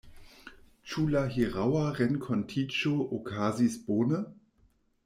Ĉu la hieraŭa renkontiĝo okazis bone?